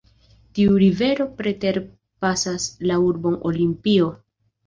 Tiu rivero preterpasas la urbon Olimpio.